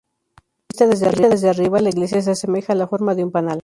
Vista desde arriba, la iglesia se asemeja a la forma de un panal.